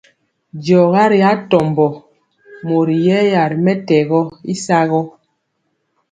Diɔga ri atombo mori yɛya ri mɛtɛgɔ y sagɔ.